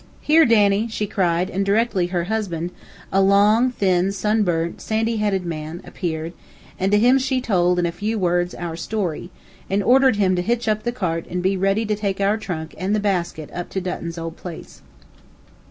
Here, Danny!" she cried, and directly her husband, a long, thin, sun burnt, sandy headed man, appeared, and to him she told, in a few words, our story, and ordered him to hitch up the cart and be ready to take our trunk and the basket up to Dutton's old house.